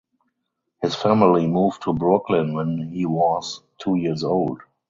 His family moved to Brooklyn when he was two years old.